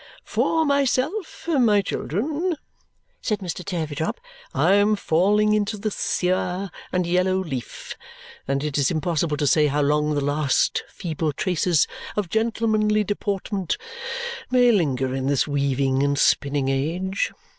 "For myself, my children," said Mr. Turveydrop, "I am falling into the sear and yellow leaf, and it is impossible to say how long the last feeble traces of gentlemanly deportment may linger in this weaving and spinning age.